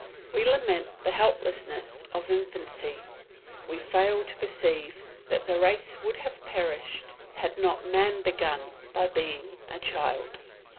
We lament the helplessness of infancy; we fail to perceive that the race would have perished had not man begun by being a child.